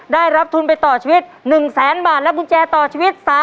ได้รับทุนไปต่อชีวิต๑แสนบาทและกุญแจต่อชีวิต